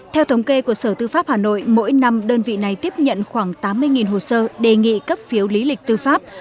theo thống kê của sở tư pháp hà nội mỗi năm đơn vị này tiếp nhận khoảng tám mươi hồ sơ đề nghị cấp phiếu lý lịch tư pháp